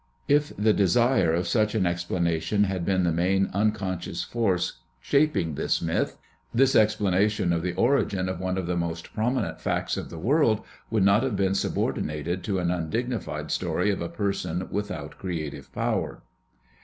If the desire of such an explana tion had been the main unconscious force shaping this myth, this explanation of the origin of one of the most prominent facts of the world would not have been subordinated to an undignified story of a person without creative power.